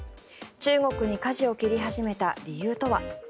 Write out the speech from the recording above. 中国にかじを切り始めた理由とは。